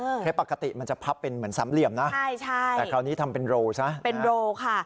เออเคร็บปกติมันจะพับเป็นเหมือนสามเหลี่ยมนะใช่แต่คราวนี้ทำเป็นโรว์ซะ